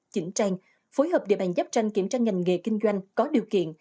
chỉnh trang phối hợp địa bàn giáp tranh kiểm tra ngành nghề kinh doanh có điều kiện